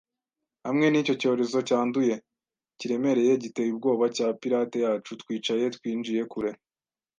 hamwe nicyo cyorezo cyanduye, kiremereye, giteye ubwoba cya pirate yacu, twicaye, twinjiye kure